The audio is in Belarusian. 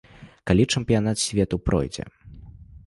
Калі чэмпіянат свету пройдзе.